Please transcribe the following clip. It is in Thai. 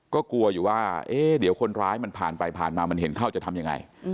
ก็กลัวอยู่ว่าเอ๊ะเดี๋ยวคนร้ายมันผ่านไปผ่านมามันเห็นเข้าจะทำยังไง